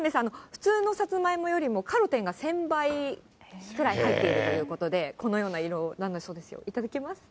普通のサツマイモよりもカロテンが１０００倍ぐらい入っているということで、このような色なんだそうですよ。